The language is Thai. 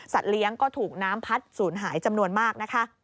สัตว์เลี้ยงก็ถูกน้ำพัดสูญหายจำนวนมาก